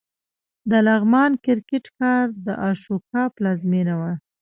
د لغمان کرکټ ښار د اشوکا پلازمېنه وه